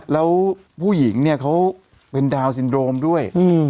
แล้วผู้หญิงเนี่ยเขาเป็นดาวนซินโดรมด้วย